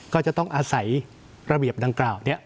ก็จะต้องอาศัยระเบียบดังกล่าวนี้